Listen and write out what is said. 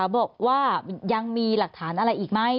บอกว่ายังมีหลักฐานอะไรอีกไหม